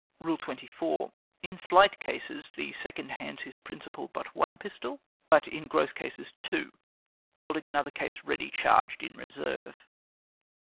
"Rule 24. In slight cases, the second hands his principal but one pistol; but in gross cases, two, holding another case ready charged in reserve.